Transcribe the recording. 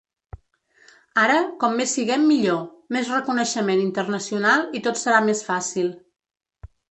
Ara, com més siguem millor, més reconeixement internacional i tot serà més fàcil.